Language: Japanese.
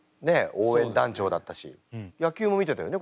応援団長だったし野球も見てたよね